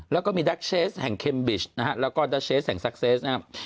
แล้วก็มีดักเชฟส์แห่งเคมเปรีชแล้วก็ดักเชฟส์แห่งซักเซส